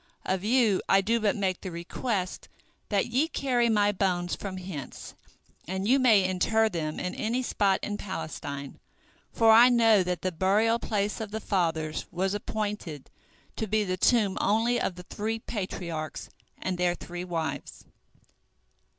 Of you I do but make the request that ye carry my bones from hence, and you may inter them in any spot in Palestine, for I know that the burial place of the fathers was appointed to be the tomb only of the three Patriarchs and their three wives."